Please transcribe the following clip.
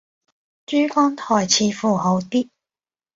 珠江台似乎好啲